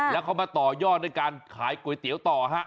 แล้วเขามาต่อย่อนในการขายก๋วยเตี๋ยวต่อ